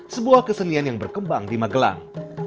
sebuah kesenian yang berkembang di magelang